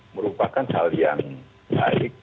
merupakan hal yang baik